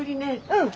うん。